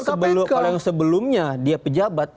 kalau yang sebelumnya dia pejabat